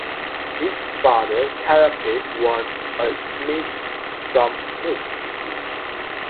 His father, Karapet, was a smith from Mush.